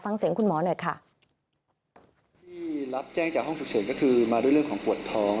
ฟังเสียงคุณหมอหน่อยค่ะที่รับแจ้งจากห้องฉุกเฉินก็คือมาด้วยเรื่องของปวดท้อง